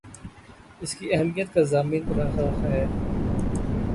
اس کی اہمیت کا ضامن رہا ہے